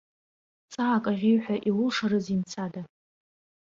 Ҵаак ахьӷьеҩуа иулшарызеи мцада?